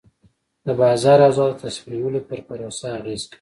د بازار اوضاع د تصمیم نیولو پر پروسه اغېز کوي.